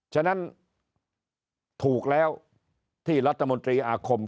ฉะนั้นถูกแล้วที่รัฐมนตรีอาคม